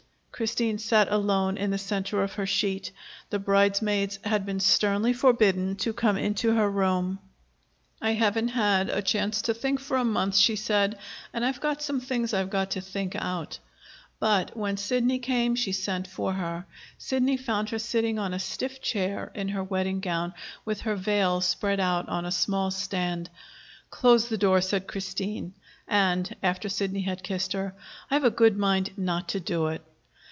Christine sat alone in the center of her sheet. The bridesmaids had been sternly forbidden to come into her room. "I haven't had a chance to think for a month," she said. "And I've got some things I've got to think out." But, when Sidney came, she sent for her. Sidney found her sitting on a stiff chair, in her wedding gown, with her veil spread out on a small stand. "Close the door," said Christine. And, after Sidney had kissed her: "I've a good mind not to do it."